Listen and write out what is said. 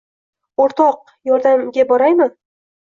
O‘rtoq, yordamga boraymi